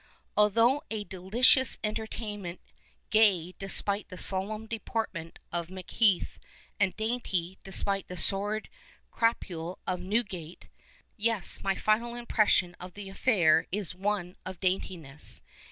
Altogether a delicious entertainment : gay, despite the solemn deportment of Macheath, and dainty, despite the sordid crapulc of Newgate. Yes, my final impression of tlie affair is one of daintiness.